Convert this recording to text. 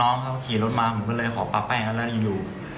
น้องเขาขี่รถมาผมก็เลยขอปลาแป้งเขาแล้วอยู่